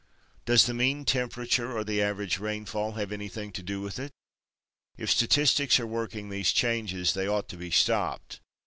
Does the mean temperature or the average rainfall have anything to do with it? If statistics are working these changes they ought to be stopped.